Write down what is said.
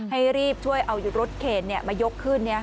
ให้รีบช่วยเอารถเข็นมายกขึ้น